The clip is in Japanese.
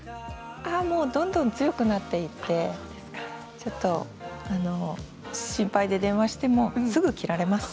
どんどん強くなっていって心配で電話してもすぐ切られます。